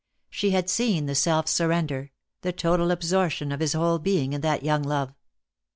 She had seen the self surrender, the total absorption of his whole being, in that young love.